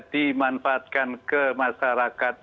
dimanfaatkan ke masyarakat